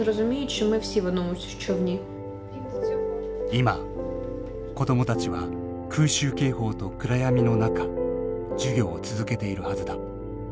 今子どもたちは空襲警報と暗闇の中授業を続けているはずだ。